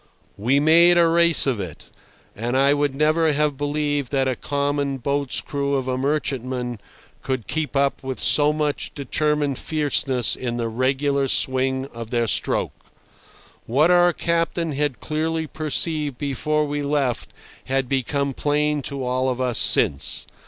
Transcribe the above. We made a race of it, and I would never have believed that a common boat's crew of a merchantman could keep up so much determined fierceness in the regular swing of their stroke. What our captain had clearly perceived before we left had become plain to all of us since.